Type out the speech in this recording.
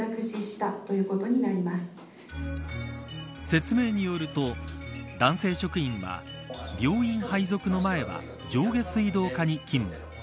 説明によると男性職員は、病院配属の前は上下水道課に勤務。